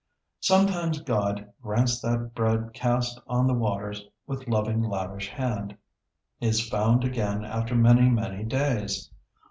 ] Sometimes God grants that bread cast on the waters with loving, lavish hand, is found again after many, many days.